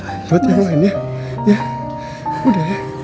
dan kamu mau kembali disparities